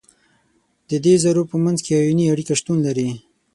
د دې ذرو په منځ کې آیوني اړیکه شتون لري.